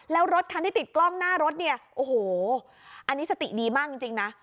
แล้วรถที่ติดกล้องหน้ารถนี่อันนี้สติดีมากจริงน่ะ